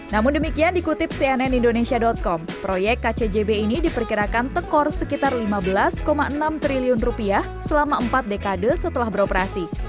namun demikian dikutip cnn indonesia com proyek kcjb ini diperkirakan tekor sekitar lima belas enam triliun rupiah selama empat dekade setelah beroperasi